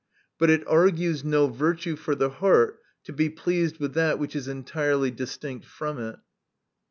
But it argues no virtue, for the heart to be pleased with that which is entirely distinct from it.